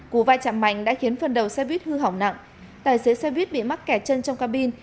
cú vai chạm mạnh đã khiến phần đầu xe buýt hư hỏng nặng tài xế xe buýt bị mắc kẹt chân trong cabin